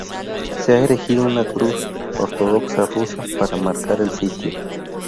Se ha erigido una cruz ortodoxa rusa para marcar el sitio.